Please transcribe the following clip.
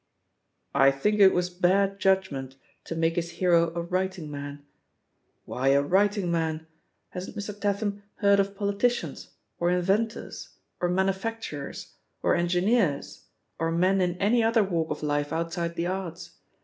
"I think it was bad judgment to make his hero a writing man. Why a writing man? Hasn't Mr. Tatham heard of politicians, or inventors, or manufacturers, or engineers, or men in any other walk of life outside the arts?